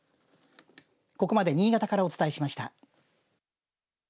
ここまで新潟からお伝えしました。